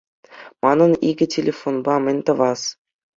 Манӑн икӗ телефонпа мӗн тӑвас?